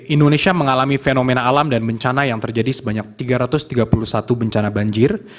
indonesia mengalami fenomena alam dan bencana yang terjadi sebanyak tiga ratus tiga puluh satu bencana banjir